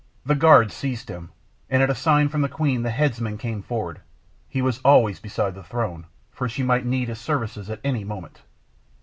The guards seized him, and at a sign from the queen the headsman came forward. He was always beside the throne, for she might need his services at any moment.